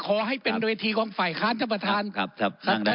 ครับครับครับครับครับครับครับครับครับครับครับครับครับครับครับครับ